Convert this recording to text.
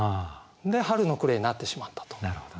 で「春の暮」になってしまったと。